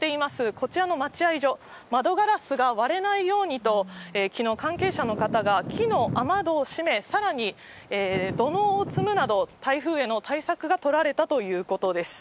こちらの待合所、窓ガラスが割れないようにと、きのう関係者の方が木の雨戸を閉め、さらに土のうを積むなど、台風への対策が取られたということです。